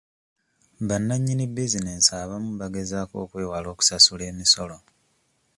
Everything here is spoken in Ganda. Bannanyini bizinensi abamu bagezaako okwewala okusasula emisolo.